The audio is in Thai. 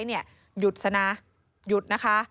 หยุดซะนะหยุดนะคะ